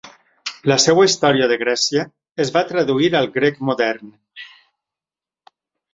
La seva "Història de Grècia" es va traduir al grec modern.